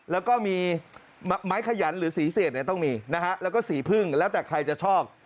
แล้วก็มีไม้ขยันหรือสีเศษเนี่ยต้องมีนะฮะแล้วก็สีพึ่งแล้วแต่ใครจะชอบ